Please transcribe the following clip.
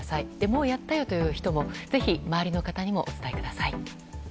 もうやったよという方もぜひ周りの方にもお伝えください。